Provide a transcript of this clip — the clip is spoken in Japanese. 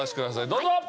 どうぞ！